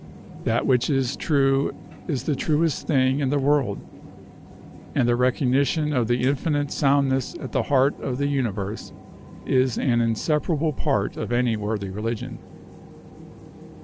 That which is true is the truest thing in the world, and the recognition of the infinite soundness at the heart of the universe is an inseparable part of any worthy religion."